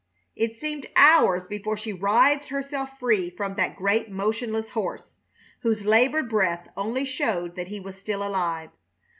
It seemed hours before she writhed herself free from that great, motionless horse, whose labored breath only showed that he was still alive.